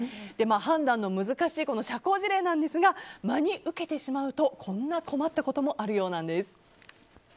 判断の難しい社交辞令なんですが真に受けてしまうとこんな困ったこともあるようなんです。